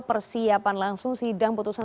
persiapan langsung sidang putusan